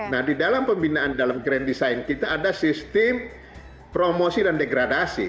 nah di dalam pembinaan dalam grand design kita ada sistem promosi dan degradasi